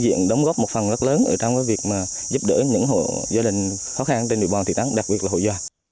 giúp đỡ những gia đình khó khăn trên nội bào thị trấn đặc biệt là hội doạc